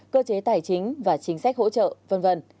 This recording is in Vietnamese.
cơ chế tài chính và chính sách hỗ trợ v v